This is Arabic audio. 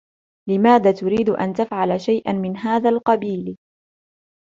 لماذا تريد أن تفعل شيئا من هذا القبيل ؟